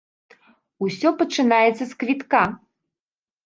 Усё пачынаецца з квітка.